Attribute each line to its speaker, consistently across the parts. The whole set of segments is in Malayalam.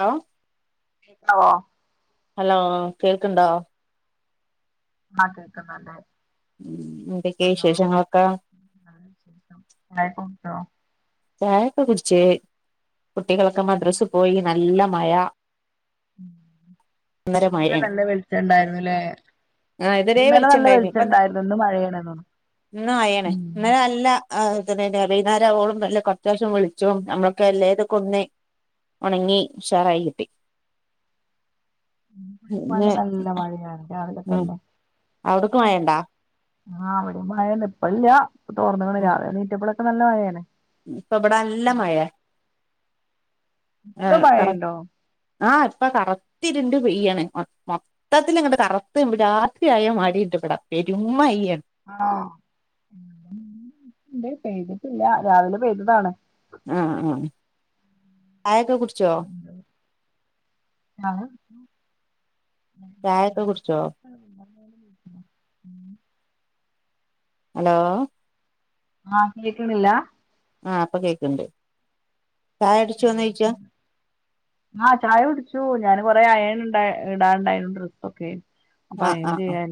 Speaker 1: ഹലോ
Speaker 2: ഹളോ
Speaker 1: ഹലോ കേൾക്ക്ണ്ടോ
Speaker 2: ആഹ് കേക്കുന്നുണ്ട്
Speaker 1: ഉം എന്തൊക്കെ വിശേഷങ്ങളൊക്കെ
Speaker 2: [unintelligible] ആയിക്കോട്ടോ
Speaker 1: ചായോക്കെ കുടിച്ച് കുട്ടികളൊക്കെ മദ്രസ്സ് പോയി നല്ല മഴ ഒന്നര
Speaker 2: ന്നലെ നല്ല വെളിച്ചം ഉണ്ടായിരുന്നുല്ലേ
Speaker 1: ആഹ് ഇതിരേ വിളിച്ചിണ്ടായിരുന്നു ഇപ്പന്ന
Speaker 2: മഴയാണ് തോന്നുന്നു
Speaker 1: ഇന്ന ആയാണ്
Speaker 2: ഉം
Speaker 1: ഇന്നര അല്ല ആഹ് തന്ന തന്നെയാ വൈനാരാവോളും നല്ല കൊർചോസം വിളൾച്ചു നമ്മളൊക്കെ എല്ലേതൊക്കൊന്ന് ഒൺങ്ങി ഉഷാറായ് കിട്ടി. ഇന്ന്
Speaker 2: [unintelligible] നല്ല മഴയാണ് രാവിലെ
Speaker 1: ഉം
Speaker 2: തന്നെ
Speaker 1: അവിടക്ക് മഴണ്ടാ
Speaker 2: ആഹ് വടെ മഴന്നെ ഇപ്പല്ല്യ. പ്പ തോർന്ന്ക്ണ് രാവിലെ എനീറ്റപ്പളൊക്കെ നല്ല മഴേണ്.
Speaker 1: ഇനി ഇപ്പവടെ നല്ല മഴേ
Speaker 2: ഇപ്പളും
Speaker 1: ആഹ് കറ
Speaker 2: മഴയുണ്ടോ
Speaker 1: ആഹ് ഇപ്പ കറ്ത്തിര്ണ്ട് പെയ്യണ്. മം മം ത്തിലങ്ങട്ട് കറുത്ത് രാത്രിയായാ മാരിണ്ട് ഇവടെ പെരും മയേണ്.
Speaker 2: ആണോ, പെയ്തിട്ടില്ല രാവിലെ പെയ്തതാണ്.
Speaker 1: ആഹ് ആഹ് ചായൊക്കെ കുട്ച്ചോ?
Speaker 2: ആഹ്.
Speaker 1: ചായൊക്കെ കുട്ച്ചോ?
Speaker 2: ആഹ് ഉമ്മമ്മാൻ്റെ വീട്ടിലാ ഉം.
Speaker 1: ഹലോ.
Speaker 2: ആഹ് കേക്ക്ണില്ലാ
Speaker 1: ആഹ് ഇപ്പൊ കേക്ക്ണ്ട് ചായുട്ച്ചോന്നോഴ്ച്ച
Speaker 2: ആഹ് ചായ കുട്ച്ചു ഞാന് കൊറെ അയേണ് ഇണ്ട ഇടാണ്ടേര്ന്ന് ഡ്രെസ്സൊക്കെ. അപ്പൊ
Speaker 1: ആ
Speaker 2: അയൺ
Speaker 1: ആ ആ
Speaker 2: ചെയ്യാൻ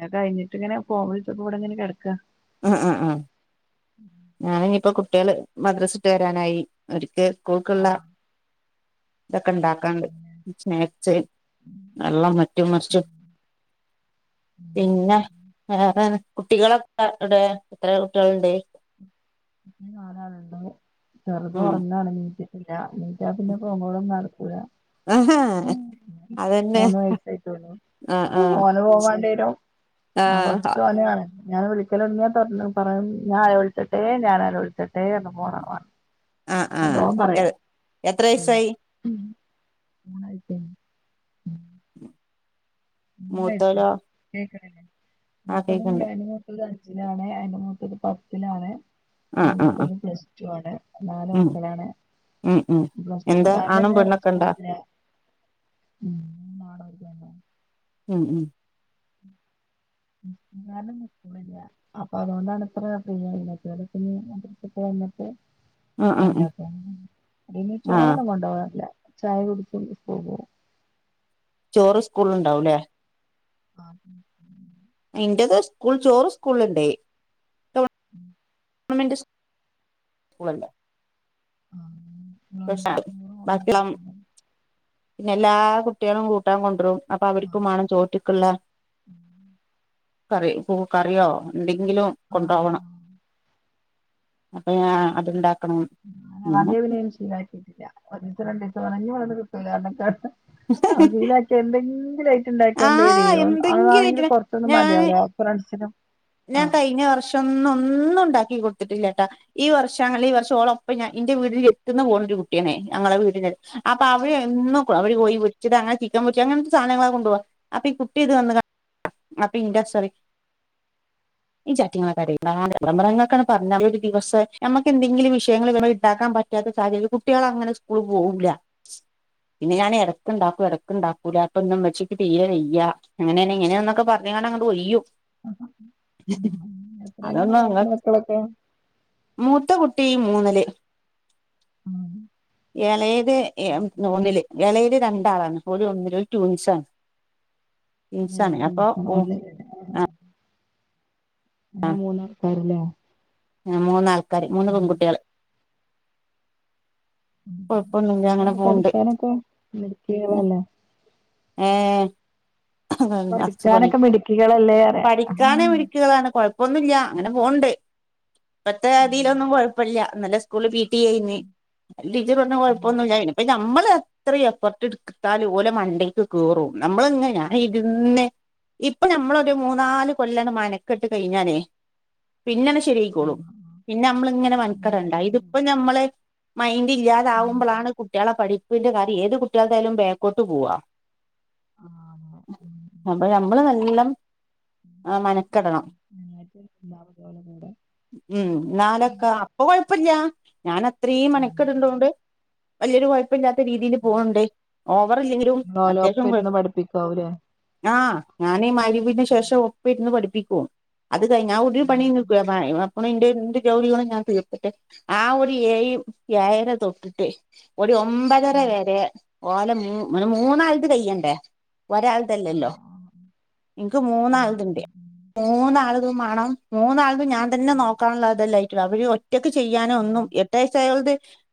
Speaker 2: അഹ് കഴ്ഞ്ഞിട്ട് ഇങ്ങനെ ഫോൺ വിൾചപ്പൊവടെങ്ങനെ കെട്ക്കാ.
Speaker 1: ആഹ് ആഹ് ഞാന് ഇഞിപ്പോ കുട്ട്യാള് മദ്രസട്ട് വരാനായി ഓര്ക്ക് സ്കൂൾക്ക്ള്ള. ഇതൊക്കെ ഇണ്ടാക്കാണ്ട് സ്നാക്സ്. വെള്ളം മറ്റും മർച്ചും പിന്നെ. വേറെ കുട്ടികളൊക്കെ എവ്ടെ എത്ര കുട്ട്യാള്ണ്ട്?
Speaker 2: നാലാള്ണ്ട്
Speaker 1: ഉം
Speaker 2: ചെർതൊർങ്ങാണ് നീച് ഇല്ല നീറ്റാ പിന്നെ പൊങ്ങോളം നട്ക്കൂല
Speaker 1: ആഹ് അഹ്
Speaker 2: മൂന്ന് വയസായ്ട്ടൊള്ളു
Speaker 1: ആ ആ
Speaker 2: ഓന് ഫോണ് വാണ്ട്യരും.
Speaker 1: ആ
Speaker 2: ആഹ് ഫസ്റ്റോനാണ് ഞാൻ വിളി [unintelligible] പറയും ഞാൻ വലെ വിൾച്ചട്ടെ ഞാനോലെ വിൾച്ചട്ടെ അർഞ് പോണാ
Speaker 1: ആ ആ
Speaker 2: അതോ പറയാ
Speaker 1: എത്ര
Speaker 2: ഉം
Speaker 1: വയസായി ഉം
Speaker 2: ല്ലേ കേക്കേണില്ലെ
Speaker 1: ആ
Speaker 2: മൂത്തവനും
Speaker 1: കേക്ക്ണ്ട്
Speaker 2: ഞാനും ത് അഞ്ചിലാണ് അയ്ൻ്റെ മൂത്തത് പത്തിലാണ്.
Speaker 1: ആ
Speaker 2: അയ്ൻ്റെ
Speaker 1: ആ ആ
Speaker 2: മൂത്തത് പ്ലസ് ടു ആണ് നാല്
Speaker 1: ഉം
Speaker 2: മക്കളാണ്.
Speaker 1: ഉം ഉം
Speaker 2: പ്ലസ് ടു
Speaker 1: എന്താ
Speaker 2: കാരണം
Speaker 1: ആണും
Speaker 2: ഇന്ന്
Speaker 1: പെണ്ണൊക്കെണ്ടാ?
Speaker 2: സ്കൂളില്ല ഉം [unintelligible]
Speaker 1: ഉം ഉം.
Speaker 2: നാലും നിക്ക്ണില്ല്യ. അപ്പൊ അതോണ്ടാണ് ഇത്ര ഫ്രീ [unintelligible] മദ്രസ്ട്ട് വന്നിട്ട്.
Speaker 1: ഉം ഉം ഉം
Speaker 2: അല്ലെ പിന്നെ
Speaker 1: ആഹ്
Speaker 2: ചോറൊന്നും കൊണ്ടോവാറില്ല ചായ കൊട്ക്കും സ്കൂൾകോകും.
Speaker 1: ചോറ് സ്കൂൾല്ണ്ടാവുലെ.
Speaker 2: ആഹ്.
Speaker 1: ഇന്റത് സ്കൂൾ ചോറ് സ്കൂൾല്ണ്ട് ട്ടോ
Speaker 2: ഉം.
Speaker 1: ഗവൺമെന്റ് സ് സ്കൂളല്ല ഭക്ഷണം ബാക്കിയുള്ളം പിന്നെ എല്ലാ കുട്ട്യാളും കൂട്ടാൻ കൊണ്ടുരും അപ്പൊ അവരുക്കും വാണം ചോറ്റിക്കുള്ള കറി ഇപ്പൊ കറിയോ എന്തെങ്കിലും
Speaker 2: ആഹ്
Speaker 1: കൊണ്ടു പോവണം
Speaker 2: ആഹ്
Speaker 1: അപ്പൊ ഞാ അതുണ്ടാ
Speaker 2: [unintelligible] ആഹ് ലീലാക്കിയെന്തെങ്കിലും ഐറ്റുണ്ടാക്കി ക്കൊണ്ട് വരി
Speaker 1: ആഹ്
Speaker 2: ഓൻ
Speaker 1: എന്തെങ്കിലും
Speaker 2: അതാണെങ്കിൽ
Speaker 1: ആയിട്ട്
Speaker 2: കൊറച്ചൊന്നും
Speaker 1: ഞാൻ
Speaker 2: മതിയാവൂല്ലാ ഫ്രണ്ട്സിനും
Speaker 1: ഞാൻ
Speaker 2: ആഹ്
Speaker 1: കഴിഞ്ഞ വർഷൊന്നും ഒന്നും ഉണ്ടാക്കി കൊടുത്തിട്ടില്ലട്ടാ ഈ വർഷങ്ങളില് ഈ വർഷം ഓളൊപ്പം ഞാൻ എന്റെ വീട്ടില് എത്തുന്ന പോണൊരു കുട്ടിയാണെ ഞങ്ങളെ വീടിനടു അപ്പൊ അവിടെ എന്നും കൊള്ളാം അവര് പോയി വെച്ചത് അങ്ങ് ദമുച്ചി അങ്ങനത്തെ സാധനങ്ങളാ കൊണ്ടു പോവാ അപ്പി ഈ കുട്ടി ഇത് വന്ന ക അപ്പൊ ഇൻ്റ സറി [unintelligible] പറ്റാത്ത സാഹചര്യം കുട്ടികൾ അങ്ങനെ സ്കൂളിൽ പോകൂല്ല പിന്നെ ഞാൻ എടക്കുണ്ടാക്കും എടക്കുണ്ടാക്കൂല്ല ഇപ്പൊന്നും ഉമ്മച്ചിക്ക് തീരെ വെയ്യാ അങ്ങനെന്നെ ഇങ്ങനെയെന്നൊക്കെ പറഞ്ഞ് ഞാനങ്ങട് ഒഴിയും
Speaker 2: അപ്പ അങ്ങനെ
Speaker 1: അതൊന്നും അങ്ങ്
Speaker 2: മക്കളൊക്കെ?
Speaker 1: മൂത്ത കുട്ടി മൂന്നില്
Speaker 2: ഉം
Speaker 1: എളയത് എം ഒന്നില് എളയത് രണ്ടാളാണ് ഒരു ഒന്നിലൊരു ട്വിൻസാണ് ട്വിൻസാണ് അപ്പൊ
Speaker 2: ഏഹ്
Speaker 1: ഓ ആ
Speaker 2: ഞാ മൂന്നാൾ ക്കാർ ലെ
Speaker 1: മൂന്നാൾക്കാര് മൂന്ന് പെൺകുട്ടികള്
Speaker 2: ഉം.
Speaker 1: കൊഴപ്പൊന്നില്ല അങ്ങനെ
Speaker 2: എങ്ങനെയുണ്ട്
Speaker 1: പോണ്ട്
Speaker 2: പഠിക്കാനൊക്കെ
Speaker 1: പിന്ന
Speaker 2: മിടുക്കികളല്ലേ?
Speaker 1: ഏഹ് നിറച്ചു പണി
Speaker 2: പഠിക്കാനൊക്കെ മിടുക്കികളല്ലേ പറയാ ഉം
Speaker 1: പഠിക്കാനെവി നിക്ക് വേണ കൊഴപ്പോന്നുമില്ല അങ്ങനെ പോണുണ്ട് ഇപ്പത്തെതിലൊന്നും കൊഴ കുഴപ്പില്ല ഇന്നല സ്കൂളില് പി ടി എ യായിന്ന് അല്ല് ടീച്ചറ് പറഞ്ഞ്
Speaker 2: ഉം
Speaker 1: കുഴപ്പൊന്നുമില്ല ഇനിപ്പ നമ്മള് ഇത്രേം എഫർട്ട് എടുക്കുത്താലും ഓല മണ്ടേക്ക് കേറു നമ്മള് ഇങ്ങന ഞാനിരിന്നു ഇപ്പൊ ഞമ്മളൊരു മൂന്നാല് കൊല്ലാം മനക്കെട്ട് കഴിഞ്ഞാലേ പിന്നനെ ശെരിയിക്കോളും
Speaker 2: ആഹ്
Speaker 1: പിന്നെ നമ്മളിങ്ങനെ മൻക്കടണ്ടാ
Speaker 2: അതെ
Speaker 1: ഇതിപ്പോ ഞമ്മളെ മൈൻഡില്ലാതാവുമ്പളാണ് കുട്ടിയാള പഠപ്പിന്റെ കാര്യം ഏത് കുട്ടികൾടായാലും ബേക്കോട്ട് പോവ
Speaker 2: ആഹ്
Speaker 1: അപ്പഴ് നമ്മള് നല്ലം ആഹ് മനക്കെടണം
Speaker 2: അപ്പ ശരി ലാവപോലെവുടെ
Speaker 1: ഉം നാലക്ക ഓ കൊഴപ്പല്ല ഞാൻ അത്രേയും
Speaker 2: നിങ്ങള്
Speaker 1: മെനക്കെടുന്തോണ്ട് വലിയൊരു കൊഴ പ്പില്ലാത്ത രീതിൽ പോണുണ്ട് ഓവറില്ലെങ്കിലും
Speaker 2: ഓലെ
Speaker 1: അത്യാവശ്യം
Speaker 2: ഒപ്പം
Speaker 1: കൊ
Speaker 2: ഇരുന്ന് പഠിപ്പിക്കാവൂലേ
Speaker 1: ണാ ഞാനീ മരിപ്പിനു ശേഷോ ഒപ്പിരുന്ന് പഠിപ്പിക്കും അത് കഴിഞ്ഞാ ഒരു പണിയും നിക്കുല്ല പറയു ഒണയിന്റെ ൻ്റെ ജോലി കൂടെ ഞാൻ തീർത്തിട്ട് ആ ഒരു ഏഴ് ഏഴര തൊട്ടിട്ട് ഒരു ഒമ്പതര വെരെ ഓലെ മൂ മൂന്നാൾത് കയ്യണ്ടേ ഒരാൾതല്ലല്ലോ
Speaker 2: ആഹ് ആഹ് ഉം ഉം ആ, ആ,
Speaker 1: എനിക്ക്
Speaker 2: ഉം
Speaker 1: മൂന്നാളത്ണ്ട് മൂന്നാളുതും വാണം മൂന്നാളതും ഞാൻ തന്നെ
Speaker 2: ഉം
Speaker 1: നോക്കാനുള്ള അതല്ലായിട്ടും അവര് ഒറ്റയ്ക്ക് ചെയ്യാനും ഒന്നും എട്ട് വയസ്സായോളത്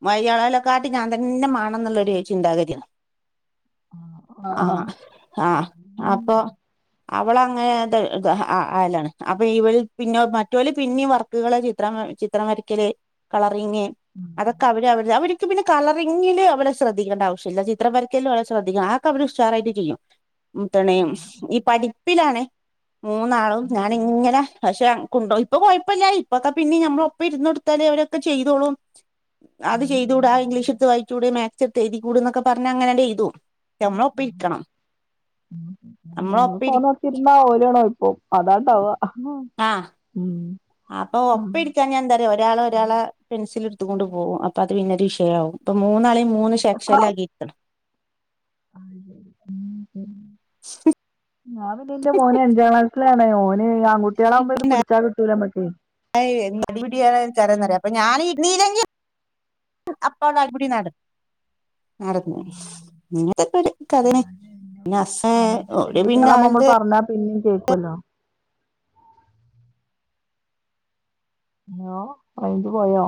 Speaker 1: മയ്യാളാലെകാട്ടിയും ഞാൻ തന്നെ മാണെന്നുള്ളൊരു ചിന്താഗതിയാ ആഹ് ആഹ്
Speaker 2: ഉം
Speaker 1: അപ്പൊ അവളങ്ങനത് ഇതാ ആഹ് അല്ലാണ് അപ്പഴ് ഇവൾ പിന്നോ മറ്റോല് പിന്നെയും വാ വർക്കുകള് ചിത്രം ചിത്രം വരക്കല് കളറിങ്ങ്
Speaker 2: ഉം
Speaker 1: അതൊക്കെ അവര് അവര അവര്ക്ക് പിന്നെ കളറിങ്ങില് അവളെ ശ്രദ്ധിക്കേണ്ടാവശ്യവില്ല ചിത്രം വരയ്ക്കലില് വേണേ ശ്രദ്ധിക്കണം ആഹ് അവര് ഉഷാറായിട്ട് ചെയ്യും തണ
Speaker 2: ആഹ്
Speaker 1: ഈ പഠിപ്പിലാണ് മൂന്നാളും
Speaker 2: ഉം
Speaker 1: ഞാന്
Speaker 2: ഉം
Speaker 1: ഇങ്ങനെ പക്ഷെ കൊണ്ടുപോയി. ഇപ്പൊ കുഴപ്പമില്ല ഇപ്പൊത്തെ പിന്നെ ഞമ്മള ഒപ്പം ഇരുന്ന് കൊടുത്താലേ അവരൊക്കെ ചെയ്തോളും. അത്
Speaker 2: ഉം
Speaker 1: ചെയ്തൂടാ
Speaker 2: ഉം
Speaker 1: ഇംഗ്ലീഷ എടുത്ത് വായിച്ചൂടി മാത്‍സ് എടുത്ത് എഴുതിക്കൂട് ന്നക്കെ പറഞ്ഞ അങ്ങനെ ങ്ങട്ട് എഴുതും.
Speaker 2: ഉം
Speaker 1: ഞമ്മള്
Speaker 2: ഉം,
Speaker 1: ഒപ്പരിക്കണം.
Speaker 2: നമ്മള് ഫോണ് കളിച്ചിരുന്ന ഓലും അവിടെ നിക്കും അതാ ഉണ്ടാവാ
Speaker 1: ആ
Speaker 2: ഉം.
Speaker 1: അപ്പൊ ഒപ്പമിരിക്കാഞ്ഞാൽ എന്താ ഒരാള ഒരാളെ പെൻസിൽ എടുത്തൊണ്ട് പോകും അ അത് പിന്നെ ഒരു വിഷയമാവും ഇപ്പോ മൂന്നാ മൂന്ന് സെക്ഷൻ ആക്കിക്കാണ്
Speaker 2: അ ശരി [unintelligible]
Speaker 1: ശ....
Speaker 2: ഞാൻ ടി ന്റെ മോന് അഞ്ചാം ക്ലാസിലാണ് ഓന് ആൺകട്ടികളാവകുമ്പോ ഇത് പിടിച്ചാ കിട്ടൂലമ്മക്കേ.
Speaker 1: അ അടിപടിയാണ് ചരന്നറിയ അപ്പ ഞൻ [unintelligible] അപ്പ ഉള്ള അടിപുടി നട നടന്ന, ഇങ്ങത്തെ ഇപ്പ ഒരു കഥനെ.
Speaker 2: ആണല്ലോ
Speaker 1: പിന്നെ അസ
Speaker 2: ആൺകുട്ടികളെ
Speaker 1: ഓവിടെ പിന്നെ
Speaker 2: പെൺകുട്ടികളാവുമ്പോ നമ്മള്
Speaker 1: അവരുടെ-
Speaker 2: പറഞ്ഞാ പിന്നേം കേക്കുവല്ലോ ഓറേഞ്ച് പോയോ?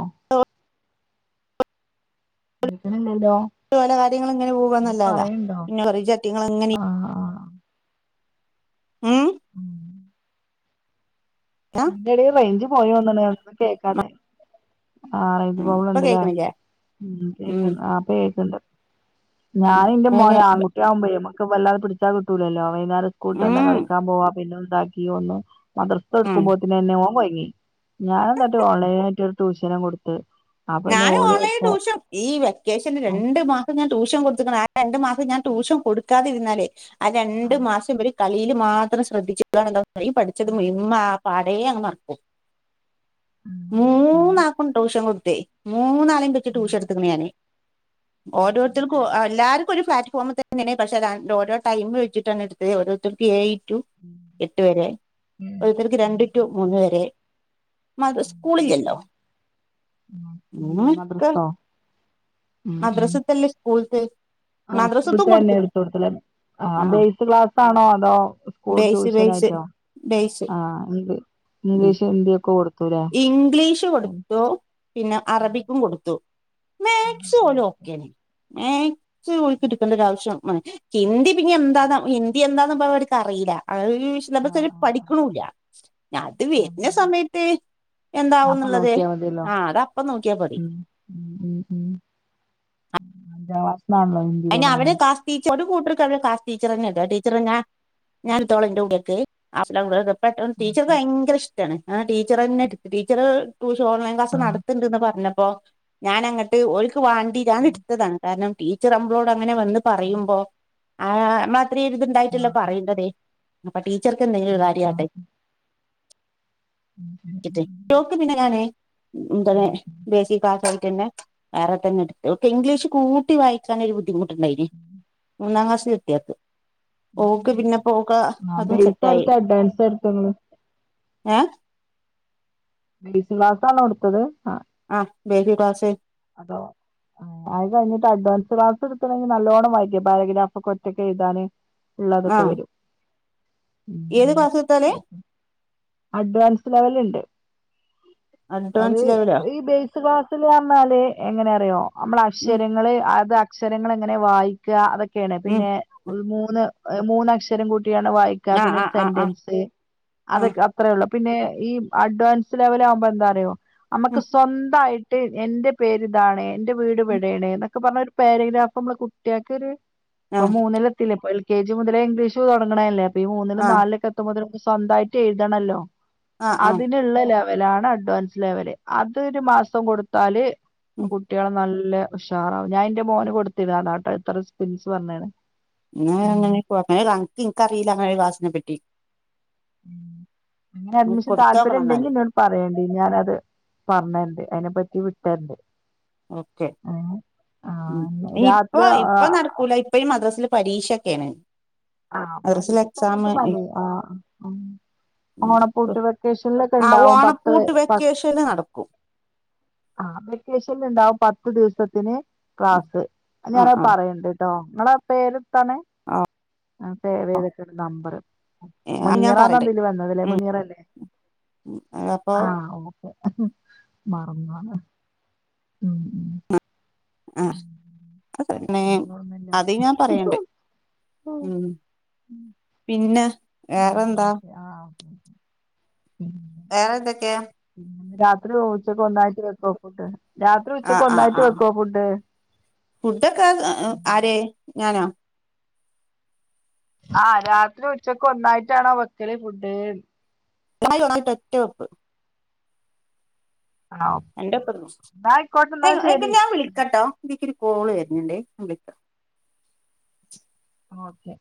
Speaker 2: കേക്ണില്ലല്ലോ.
Speaker 1: പല കാര്യങ്ങള ഇങ്ങനെ- പോവാന്നല്ലാതാ, പിന്നെറിജട്ടങ്ങൾങ്ങന-
Speaker 2: ആഹ് ആഹ്
Speaker 1: ഉ.....
Speaker 2: ഉം..
Speaker 1: ആഹ്
Speaker 2: നിന്റെട റേഞ്ച് പോയി വന്ന്ണ് ഒന്ന് കേൾക്കാതെ... ആഹ റേഞ്ച് പ്രോബ്ളം
Speaker 1: ഇപ്പൊ
Speaker 2: ഇണ്ടല്ലേ,
Speaker 1: കേക്കണില്ലേ
Speaker 2: ഉ കേക്ക
Speaker 1: ഉം
Speaker 2: ആഹാ അപ്പോ കേക്കണ്ട്. ഞാനൻ എന്റെ
Speaker 1: അങ്ങനെ
Speaker 2: മോനെ ആൺകു- ആവുമ്പോ നമുക്ക് വല്ലാതെ പിടിച്ചാ കിട്ടൂലല്ലോ, വൈകേരം സ്കൂൾട്ട തന്നെ
Speaker 1: ഉം
Speaker 2: കളിക്കാൻ പോവാ, പിന്നെന്താക്കിയോ ഒന്ന് - മദ്രസ
Speaker 1: ഉം
Speaker 2: എടുക്കുമ്പോത്തന എന്നെ ഓൻ കുഴ്ങ്ങി, ഞാൻ എന്നിട്ട് ഓൺലൈൻായിയിട്ട് ഒരു ട്യൂഷനും കൊടുത്ത്. അപ്പൊ പിന്നെ
Speaker 1: ഞാൻ
Speaker 2: ഓല്
Speaker 1: ഓൺലൈൻ
Speaker 2: ഇപ്പൊ
Speaker 1: ട്യൂഷൻ- ഈ വെക്കേഷന് രണ്ടു മാസം ഞാൻ ട്യൂഷൻ കൊടുതുക്ക്ണ്, ആ രണ്ടു മാസം ഞാൻ ട്യൂഷൻ കൊടുക്കാതിരുന്നാലേ- ആ രണ്ടു മാസം വരെ കളിയില് മാത്രം ശ്രദ്ധിച്ചു- ന്ത പഠിച്ചത് മമ്മ പാടേ അങ്നങ് മറക്കും. മൂന്നാക്കും ട്ടുഷൻകൊടുത്ത് മൂന്നാലിമ് - ട്യൂഷൻ എടുത്തിക്ണ് ഞന്, ഓരോരുത്തർക്കും, എല്ലാർക്കും ഒരേ പ്ലാറ്റഫോം തന്നെ - അങ്ങനെയെ പക്ഷെ അ ഓരോ ടൈം വെച്ചിട്ടാണ് എടുത്തത്, ഓരോരുത്തർക്ക് ഏഴു ടു - എട്ട് വരെ രുത്തർക്ക് രണ്ട് ടു മൂന്ന് വരെ. മത സ്കൂളില്ലല്ലോ? മ ക്ക
Speaker 2: മദ്രസോ
Speaker 1: മദ്രസത്തല്ലേ സ്കൂളത്ത്.
Speaker 2: ആഹ് സ്ടുത്ത
Speaker 1: മദ്രസത്തും
Speaker 2: തന്നെ
Speaker 1: കൊടുത്തിരുന്നു
Speaker 2: എടുത്ത കൊടുത്ത്ണ് ആ ബേസ് ക്ലാസ് ആണോ? അതോ സ്കൂൾ
Speaker 1: ബേസ് ബേസ്
Speaker 2: ട്യൂഷനായിട്ടാ....
Speaker 1: ബേസ്,
Speaker 2: ഹിന്ദി ഒക്കെ കൊടുത്തൂലേ
Speaker 1: ഇംഗ്ലീഷ്
Speaker 2: ഉം.
Speaker 1: കൊടുത്തു, പിന്നെ
Speaker 2: ആ
Speaker 1: അറബിക്കും കൊടുത്തു,
Speaker 2: ആ
Speaker 1: മാത്‍സ് ഓല്ലും ഓക്കേണ്. ഉക്കിടുക്കേണ്ട ഒ ആവശ്യം മ... ഹിന്ദി പിന്നെ എന്താ ഹിന്ദി എന്താന്ന പറ അവടക്ക് അറിയില്ല......
Speaker 2: ആ
Speaker 1: സിലബസ്
Speaker 2: ആ,
Speaker 1: പഠിക്കണില്ല ഞൻ അത്
Speaker 2: ആ, ആ.
Speaker 1: വരുന്ന സമയത്ത് എന്താവന്നുള്ളത്.....
Speaker 2: അതെല്ലോ...,
Speaker 1: ആ അത് അപ്പ നോക്കിയാ പോരെ....
Speaker 2: ഉ ഉ ഉ അന്റെ ഭഷണാണല്ലോ.....
Speaker 1: അെ അവിടെ കാ.... ടച്ച കൂട്ട ക്ലസ് ടീച്ച തന്നെ ഈ ടീച്ചറെ ഞാ ഞാനിത്തോള, എൻന്റെറെൂടെേക്ക്.... പ
Speaker 2: ഉം,
Speaker 1: ടീച്ചർക്ക് ഭയങ്കര ഇഷ്ടമാണ് ആഹാ ടീച്ചർ തന്നെ എടു ടീച്ചർ..... ടൂഷൻ ഓൺലൈൻ ക്ലാസ് നടത്തണ്ടന്ന് പറഞ്ഞപ്പോ ഞാൻ അങ്ങട്ട് ഒക്ക് വാണ്ടിഞന് എടുത്തതാണ്, കാരണം.... ചിറമ്പളോട് അങ്ങനെ വന്ന് പറയുമ്പോ, ആഹ് മാത്രരി
Speaker 2: ആ
Speaker 1: ഇരിത്ണ്ടായിട്ടല്ലോ
Speaker 2: ആ
Speaker 1: പറയണ്ടതേ. അപ്പോ ടീച്ചർക്ക് എന്തെങ്കിലും ഒരു
Speaker 2: ആ ആ.
Speaker 1: കാര്യമാട്ടെ.
Speaker 2: ഉം, ഉം,
Speaker 1: നോക്ക്ന്നെ ഞാന തെ
Speaker 2: ഉം,
Speaker 1: ബേസി- കാറ്റായിട്ട്ന്നെ. വേറെ തന്നെ എടുത്ത് ഒക്ക ഇംഗ്ലീഷ് കൂട്ടി വായിക്കാനൊ ഒരു- ബുദ്ധിമുട്ടുണ്ടായിന് മൂന്നാം ക്ലാസ്-
Speaker 2: ഉം. അപ്പൊ
Speaker 1: ഓക്ക്
Speaker 2: ബേ-
Speaker 1: പിന്നെ പോക്ക
Speaker 2: ആ
Speaker 1: അതും
Speaker 2: ബേസ്
Speaker 1: സെറ്റ ആയി.
Speaker 2: എടുത്ത അഡ്വാൻസ് എടുത്തങ്ങള്
Speaker 1: ഏ...
Speaker 2: ബേസ് ക്ലാസ്സ്‌ ആണോ കൊടുത്തത്? ആഹ്..
Speaker 1: ആഹ് ബേഖ പാസേ.
Speaker 2: അത... ആഹ് അത് കഴിഞ്ഞിട്ട് ഡ്വാൻസ് ക്ലാസ് എടുത്തണെങ്കിൽ നല്ലോണം വൈക്ക പാരഗ്രഫ ഒക്ക ഒറ്റൊക്കെ എുതാന്- ഉള്ളതൊക്കെ
Speaker 1: ആഹ്
Speaker 2: വരും.
Speaker 1: ഏത് കാസത്താലേ?
Speaker 2: അഡ്വാൻസ് ലെവല ഇണ്ട് അത്
Speaker 1: അഡ്വാൻസ് ലെവലോ
Speaker 2: ഈ ബേസ് - ക്ലാസൽ വന്നാല് എങ്ങനെ- അറിയോ നമ്മള്
Speaker 1: ഉം
Speaker 2: അക്ഷരങ്ങള് അത് അക്ഷരങ്ങൾ എങ്ങനെ വായി- ക്കാ അതൊക്കെയാണ്
Speaker 1: ഉം
Speaker 2: പിന്നെ മൂന്ന് മൂന്ന് അക്ഷരം കൂട്ടിയാണ് വായി ക്ക
Speaker 1: ആ
Speaker 2: പിന്നെ
Speaker 1: ആ
Speaker 2: ഒരു
Speaker 1: ആ ആ
Speaker 2: സെന്റൻസ്
Speaker 1: ആ
Speaker 2: അതൊക്കെ അത്രേള്ളൂ പിന്നെ ഈ അഡ്വാൻസ് ലെവലാവുമ്പോ എന്താറിയോ നമുക്ക് സ്വന്തായിട്ട് എന്റെ പേര്താണ് എന്റെ വീട് വടടേണ്ന്നൊക്കെ പറഞ്ഞ് ഒരു പാരാഗ്രാഫ് നമ്മളെ കുട്ട്യാക്കൊര്
Speaker 1: ആ
Speaker 2: ഇപ്പൊ മൂന്നിലെത്തീലെ ഇപ്പ എൽ കെ ജി മുതലേ ഇംഗ്ലീഷ് തൊടങ്ങ്ണല്ലേ അപ്പ ഈ മൂന്നിലും
Speaker 1: ആ
Speaker 2: നാൽലൊക്കെ മുതൽ സ്വന്തായിട്ട് എഴുതണല്ലോ
Speaker 1: ആ ആ
Speaker 2: അതിന് ള്ള ലെവലാണ് അഡ്വാൻസ് ലെവല് അതരു മാസം കൊടുത്താല്
Speaker 1: ഉം
Speaker 2: കുട്ട്യാള് നല്ല ഉഷാറാവും ഞാൻ എന്റെ മോന് കൊടുത്തിര്ന്ന് അതാട്ടാ ഇത്തരസ്പൻസ് പറഞ്ഞാണ് ഉം
Speaker 1: [unintelligible] ഇൻക്കറീലാ അങ്ങനൊരു ക്ലാസ്സിനെ പറ്റി
Speaker 2: ഉം അങ്ങനെ അഡമിഷ
Speaker 1: കൊടുത്തോക്കണം എന്നാല്
Speaker 2: താല്പര്യണ്ടെങ്കിന്നോട് പറയേണ്ടി ഞാനത് പർഞ്ഞരണ്ട് അതിനെ പറ്റി വിട്ടര്ന്റ്
Speaker 1: ഓക്കെ ഉം
Speaker 2: രാത്രി
Speaker 1: ഇപ്പൊ
Speaker 2: ആ
Speaker 1: ഇപ്പൊ നട് ക്കൂല ഇപ്പ ഈ മദ്രസില് പരീക്ഷൊക്കെയാണ്
Speaker 2: ആഹ്
Speaker 1: മദ്രസിൽ
Speaker 2: പരീക്ഷ
Speaker 1: എക്സാം
Speaker 2: കയ്ഞ്ഞിട്ട് മതി ആഹ് ഓണപ്പൂട്ട് വെക്കേഷനിലൊക്കെ
Speaker 1: ആ
Speaker 2: ഇണ്ടാവും പത്ത്
Speaker 1: ഓണപ്പൂട്ട് വെക്കേഷന് നടക്കും
Speaker 2: ആഹ് വെക്കേഷൻണ്ടാവും പത്തു ദിവസത്തിന് ക്ലാസ്
Speaker 1: ആ
Speaker 2: ഞാനത്
Speaker 1: ആ
Speaker 2: പറയണ്ട്ട്ടോ നിങ്ങളെ പേരെത്താണ് ആഹ് സേവ് ചെയ്തക്ക നമ്പറ്
Speaker 1: അത് ഞാൻ
Speaker 2: മുനീറാന്ന
Speaker 1: പറയണ്ട്
Speaker 2: അതില് വന്നത് ലേ മുനീറ അല്ലേ
Speaker 1: ഉം അയ്നപ്പോ
Speaker 2: മറന്നോന്ന് ഉം
Speaker 1: ആഹ്
Speaker 2: ഉം. അത്
Speaker 1: [unintelligible] അത് ഞാൻ
Speaker 2: ഓർമ്മല്ല
Speaker 1: പറയണ്ട് ഉം പിന്നെ
Speaker 2: ഉം
Speaker 1: വേറെന്താ
Speaker 2: ഓക്കെ ആഹ് ഉം
Speaker 1: വേറെന്തക്കേ
Speaker 2: രാത്രി ഉച്ചക്ക് ഒന്നായിട്ട് വെക്കോ ഓഫ് രാത്രി
Speaker 1: ആഹ്
Speaker 2: ഉച്ചക്ക്
Speaker 1: ആഹ്
Speaker 2: ഒന്നായിട്ട്
Speaker 1: ആഹ്
Speaker 2: വെക്കോ ഫുഡ്‌
Speaker 1: ഫുഡൊക്കെ [unintelligible] ആര് ഞാനൊ
Speaker 2: ആഹ് രാത്രി ഉച്ചക്ക് ഒന്നായിട്ടാണോ വെക്കല് ഫുഡ്ന്ന്
Speaker 1: ഒന്നായി [unintelligible] ഒറ്റവെപ്പ്
Speaker 2: ആ ഓക്കെ.
Speaker 1: എന്റെപ്പതിന്നും
Speaker 2: എന്നാ ആയിക്കോട്ടെ എന്നാ ശരി
Speaker 1: [unintelligible] ഞാൻ വിളിക്കട്ടോ ഇതീക്കൊരു കോള് വര്ന്നുണ്ടേ ഞാൻ വിളിക്കാ
Speaker 2: ഓക്കെ